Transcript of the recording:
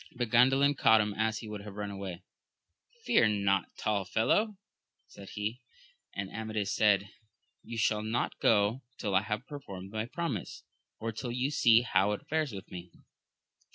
But Gan dalin caught him as he would have run away ; Fear not, tall fellow ! said he. And Amadis said. You shall not go till I have perfonned my promise, or till you see how it fares with me.